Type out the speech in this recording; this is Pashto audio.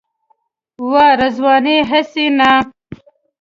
وا رضوانه هسې نه.